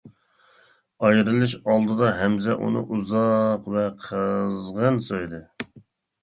ئايرىلىش ئالدىدا ھەمزە ئۇنى ئۇزاق ۋە قىزغىن سۆيدى.